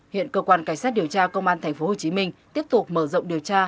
hiện cơ quan cảnh sát điều tra công an tp hcm tiếp tục mở rộng điều tra